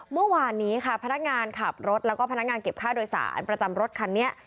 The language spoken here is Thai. เมื่อวานนี้ค่ะพนักงานขับรถแล้วก็พนักงานเก็บค่าโดยสารประจำรถคันนี้